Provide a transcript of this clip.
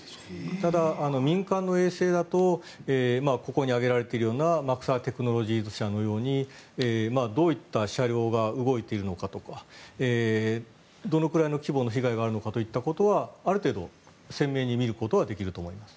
ただ、民間の衛星だとここに挙げられているようなマクサー・テクノロジーズ社のようにどういった車両が動いているのかとかどのくらいの規模が被害があるのかということはある程度、鮮明に見ることはできると思います。